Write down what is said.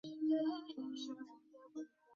谢富治代表北京市革命委员会讲话。